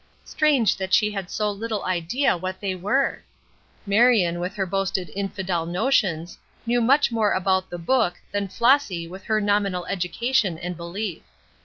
Strange that she had so little idea what they were! Marion, with her boasted infidel notions, knew much more about "The Book" than Flossy with her nominal Christian education and belief.